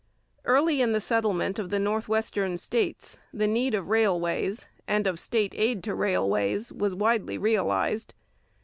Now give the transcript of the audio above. Early in the settlement of the northwestern states the need of railways, and of state aid to railways, was widely realized.